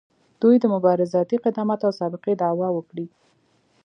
دوی د مبارزاتي قدامت او سابقې دعوه وکړي.